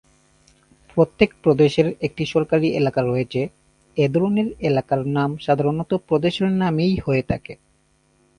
প্রত্যেক প্রদেশের একটি সরকারী এলাকা রয়েছে, এ ধরনের এলাকার নাম সাধারণত প্রদেশের নামই হয়ে থাকে।